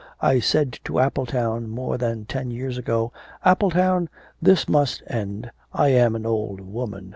I said to Appletown more than ten years ago "Appletown, this must end, I am an old woman."